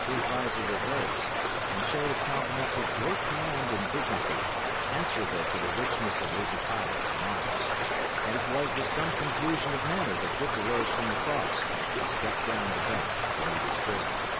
His visor was raised, and showed a countenance of great command and dignity, answerable to the richness of his attire and arms. And it was with some confusion of manner that Dick arose from the cross and stepped down the bank to meet his prisoner.